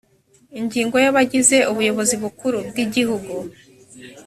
ingingo ya abagize ubuyobozi bukuru bwigihugu